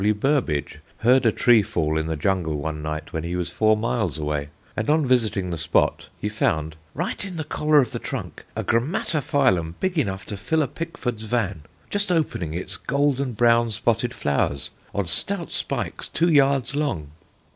F.W. Burbidge heard a tree fall in the jungle one night when he was four miles away, and on visiting the spot, he found, "right in the collar of the trunk, a Grammatophyllum big enough to fill a Pickford's van, just opening its golden brown spotted flowers, on stout spikes two yards long."